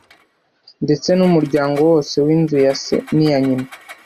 ndetse n'umuryango wose w'inzu ya se n'iya nyina